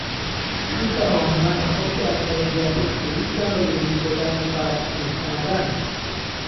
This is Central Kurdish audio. چونکە ئەوانە لە خەڵکی ئاسایی زیاتر پێویستیان بە گرنگیپێدان و پاراستن و پەنادانە